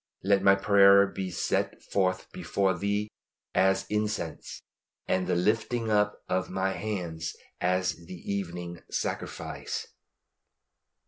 "LET MY PRAYER BE SET FORTH BEFORE THEE AS INCENSE: AND THE LIFTING UP OF MY HANDS AS THE EVENING SACRIFICE."